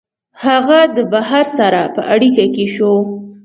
هغه د بهر سره په اړیکه کي سو